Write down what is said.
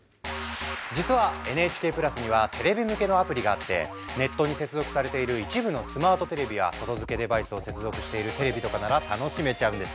実はＮＨＫプラスにはテレビ向けのアプリがあってネットに接続されている一部のスマートテレビや外付けデバイスを接続しているテレビとかなら楽しめちゃうんです。